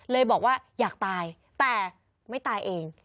บอกว่าอยากตายแต่ไม่ตายเอง